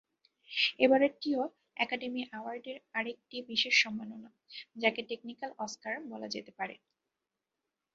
এবারেরটিও Academy অ্যাওয়ার্ডের আরেকটি বিশেষ সম্মাননা, যাকে টেকনিক্যাল অস্কার বলা যেতে পারে।